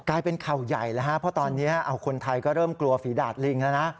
กลายเป็นข่าวใหญ่แล้วฮะเพราะตอนนี้คนไทยก็เริ่มกลัวฝีดาดลิงแล้วนะ